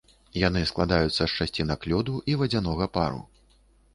Яны складаюцца з часцінак лёду і вадзянога пару.